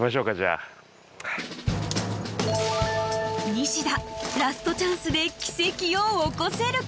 ［ニシダラストチャンスで奇跡を起こせるか？］